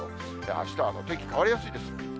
あしたはお天気変わりやすいです。